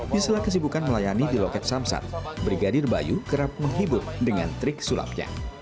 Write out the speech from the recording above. di sela kesibukan melayani di loket samsat brigadir bayu kerap menghibur dengan trik sulapnya